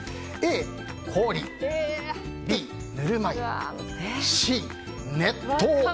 Ａ、氷Ｂ、ぬるま湯Ｃ、熱湯。